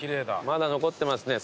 まだ残ってますね